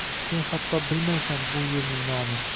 «Sen hatto bilmaysan bu yerning nomin